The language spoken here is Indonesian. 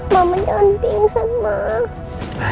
mama jangan pingsan mak